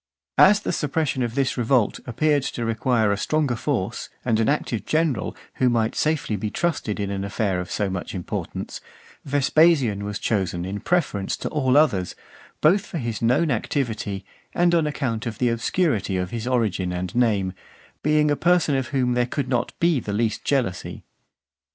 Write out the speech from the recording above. As the suppression of this revolt appeared to require a stronger force and an active general, who might be safely trusted in an affair of so much importance, Vespasian was chosen in preference to all others, both for his known activity, and on account of the obscurity of his origin and name, being a person of whom (446) there could be not the least jealousy.